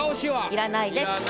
いらないです。